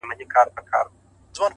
مثبت فکر د زړه دروندوالی کموي